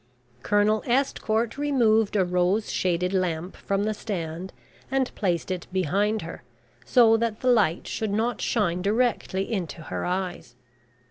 Colonel Estcourt removed a rose shaded lamp from the stand, and placed it behind her, so that the light should not shine directly into her eyes.